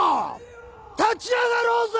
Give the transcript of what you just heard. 立ち上がろうぜ！